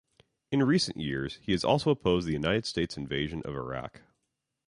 In recent years, he has also opposed the United States' invasion of Iraq.